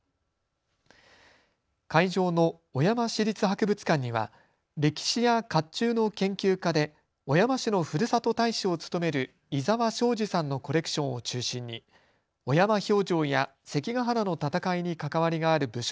会場の小山市立博物館には歴史やかっちゅうの研究家で小山市のふるさと大使を務める伊澤昭二さんのコレクションを中心に小山評定や関ヶ原の戦いに関わりがある武将